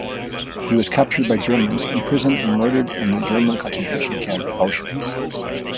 He was captured by Germans, imprisoned and murdered in the German concentration camp Auschwitz.